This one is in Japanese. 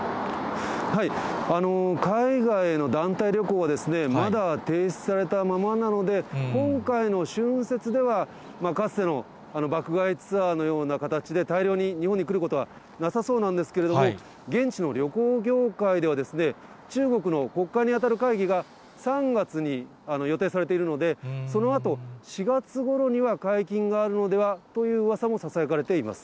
海外への団体旅行は、まだ停止されたままなので、今回の春節では、かつての爆買いツアーのような形で、大量に日本に来ることはなさそうなんですけれども、現地の旅行業界では、中国の国会に当たる会議が、３月に予定されているので、そのあと４月ごろには解禁があるのではといううわさもささやかれています。